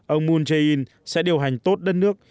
ông moon jae in sẽ điều hành tốt đất nước